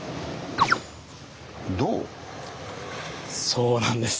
そうなんです。